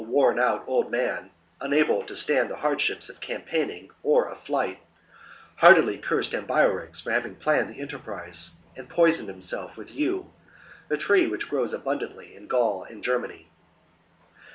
worn out old man, unable to stand the hard ships of campaigning or of flight, heartily cursed Ambiorix for having planned the enterprise, and poisoned himself with yew, a tree which grows abundantly in Gaul and Germany.